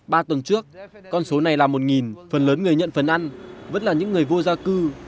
ba tuần trước con số này là một phần lớn người nhận phần ăn vẫn là những người vô gia cư